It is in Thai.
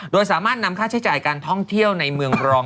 โดยสามารถนำค่าใช้จ่ายการท่องเที่ยวในเมืองรอง